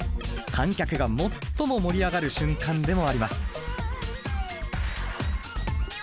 観客が最も盛り上がる瞬間でもあります。